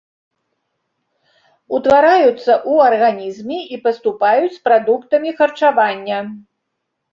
Утвараюцца ў арганізме і паступаюць з прадуктамі харчавання.